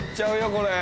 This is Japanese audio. これ。